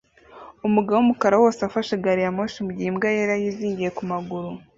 Umugabo wumukara wose afashe gariyamoshi mugihe imbwa yera yizingiye kumaguru